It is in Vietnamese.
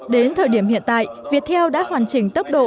đến thời điểm hiện tại viettel đã hoàn chỉnh tốc độ